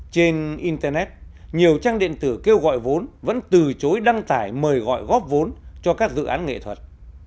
trên internet nhiều trang điện tử kêu gọi vốn vẫn từ chối đăng tải mời gọi góp vốn cho các dự án nghệ thuật